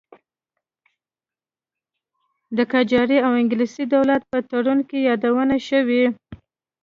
د قاجاري او انګلیسي دولت په تړون کې یادونه شوې.